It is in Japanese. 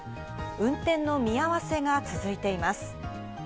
運転の見合わせが続いています。